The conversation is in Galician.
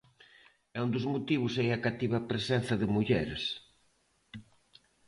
E un dos motivos é a cativa presenza de mulleres.